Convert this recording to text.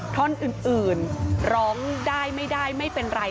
ท่อนอื่นร้องได้ไม่ได้ไม่เป็นไร